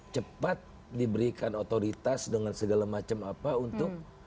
cepat diberikan otoritas dengan segala macam apa untuk